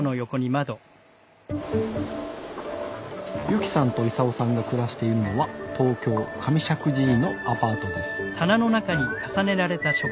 ゆきさんとイサオさんが暮らしているのは東京・上石神井のアパートです。